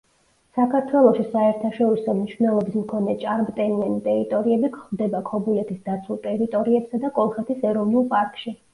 საქართველოში საერთაშორისო მნიშვნელობის მქონე ჭარბტენიანი ტერიტორიები გვხვდება ქობულეთის დაცულ ტერიტორიებსა და კოლხეთის ეროვნულ პარკში.